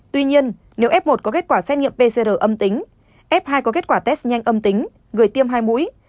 tuy nhiên nếu f một có kết quả xét nghiệm pcr âm tính f hai có kết quả test nhanh âm tính người tiêm hai mũi